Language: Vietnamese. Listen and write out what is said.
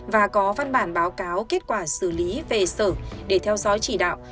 và có văn bản báo cáo kết quả xử lý về sở để theo dõi chỉ đạo